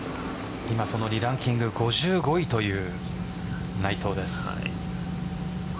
今、リランキング５５位という内藤です。